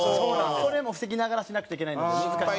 それも防ぎながらしなくちゃいけないので難しい。